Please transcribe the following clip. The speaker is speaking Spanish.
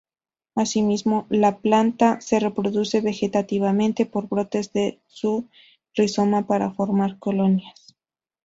Asimismo, la planta se reproduce vegetativamente por brotes de su rizoma para formar colonias.